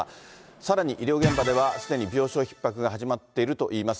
さらに医療現場では、すでに病床ひっ迫が始まっているといいます。